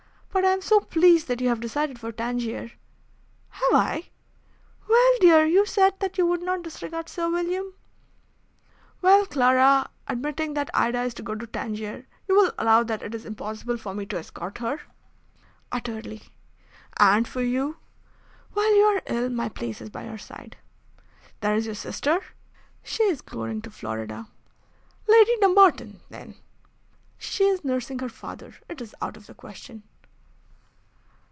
But I am so pleased that you have decided for Tangier." "Have I?" "Well, dear, you said that you would not disregard Sir William." "Well, Clara, admitting that Ida is to go to Tangier, you will allow that it is impossible for me to escort her? "Utterly." "And for you? "While you are ill my place is by your side." "There is your sister?" "She is going to Florida." "Lady Dumbarton, then?" "She is nursing her father. It is out of the question."